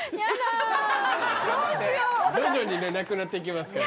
徐々になくなって行きますから。